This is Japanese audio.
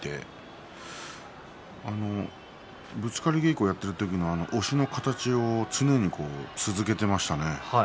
ぶつかり稽古をやっている時の押しの形を常に続けてましたね。